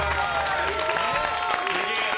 すげえな！